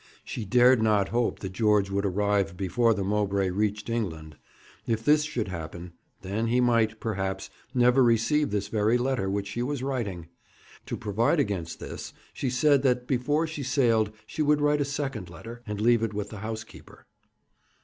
She dared not hope that George would arrive before the Mowbray reached England. If this should happen, then he might, perhaps, never receive this very letter which she was writing. To provide against this, she said that before she sailed she would write a second letter, and leave it with the housekeeper.